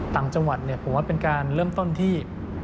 ต่างจังหวัดผมว่าเป็นการเริ่มต้นที่